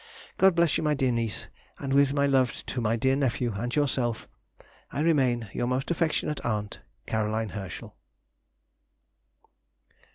God bless you, my dear niece ... and with my love to my dear nephew and yourself, I remain, Your most affectionate aunt, CAR. HERSCHEL.